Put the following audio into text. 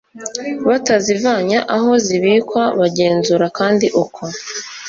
batazivanye aho zibikwa bagenzura kandi uko